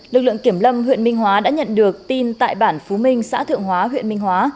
lực lượng kiểm lâm huyện minh hóa đã nhận được tin tại bản phú minh xã thượng hóa huyện minh hóa